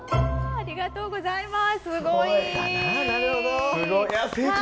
ありがとうございます。